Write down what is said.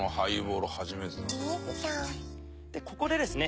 ここでですね